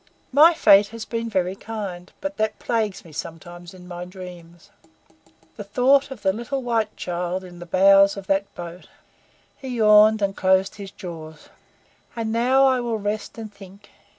My Fate has been very kind, but that plagues me sometimes in my dreams the thought of the little white child in the bows of that boat." He yawned, and closed his jaws. "And now I will rest and think.